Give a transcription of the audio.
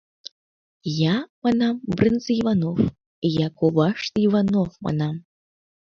Я, манам, брынзе Иванов, я коваште Иванов, манам.